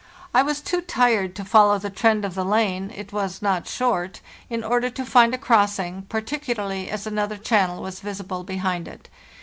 I was too tired to follow the trend of the lane (it was not short) in order to find a crossing, particularly as another channel was visible behind it.